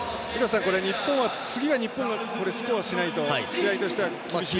次、日本がスコアをしないと試合としては厳しい。